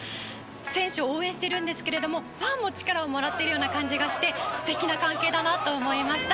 選手を応援してるんですけれどもファンも力をもらっているような感じがして素敵な関係だなと思いました。